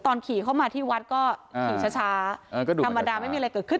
ขี่เข้ามาที่วัดก็ขี่ช้าธรรมดาไม่มีอะไรเกิดขึ้น